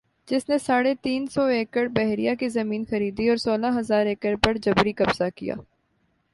جس نے ساڑھے تین سو ایکڑبحریہ کی زمین خریدی اور سولہ ھزار ایکڑ پر جبری قبضہ کیا